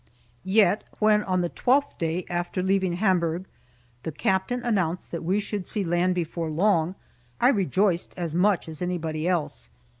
Yet, when, on the twelfth day after leaving Hamburg, the captain announced that we should see land before long, I rejoiced as much as anybody else.